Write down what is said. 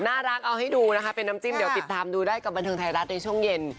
น่ารักเอาให้ดูนะคะเป็นน้ำจิ้มเดี๋ยวติดตามดูได้กับบันเทิงไทยรัฐในช่วงเย็น